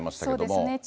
そうですね。